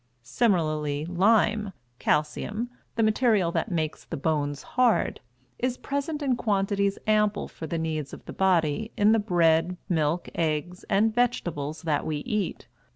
Similarly lime (calcium) the material that makes the bones hard, is present in quantities ample for the needs of the body in the bread, milk, eggs and vegetables that we eat.